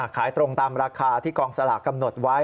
ขายตรงตามราคาที่กองสลากกำหนดไว้